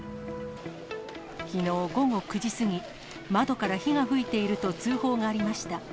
きのう午後９時過ぎ、窓から火が噴いていると通報がありました。